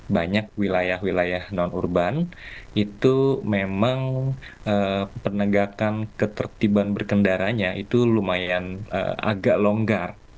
banyak wilayah wilayah non urban itu memang penegakan ketertiban berkendaranya itu lumayan agak longgar